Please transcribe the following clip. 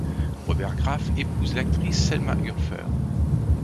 Robert Graf épouse l'actrice Selma Urfer.